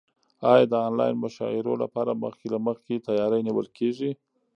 ایا د انلاین مشاعرو لپاره مخکې له مخکې تیاری نیول کیږي؟